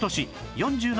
４７